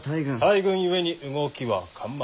大軍ゆえに動きは緩慢。